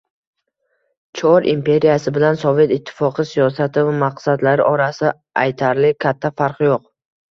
Chor imperiyasi bilan Sovet ittifoqi siyosati va maqsadlari orasida aytarli katta farq yo`q